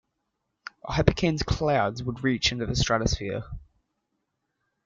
A hypercane's clouds would reach into the stratosphere.